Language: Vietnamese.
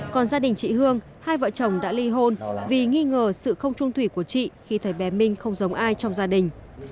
còn gia đình chị hương hai vợ chồng đã ly hôn vì nghi ngờ sự không trung thủy của chị khi thấy bé minh không giống ai trong gia đình